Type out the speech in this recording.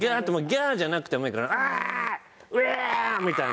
「ギャー」じゃなくてもいいから「わあ」「うわあ」みたいな。